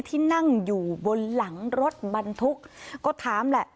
ที่นั่งอยู่บนหลังรถบรรทุกก็ถามแหละ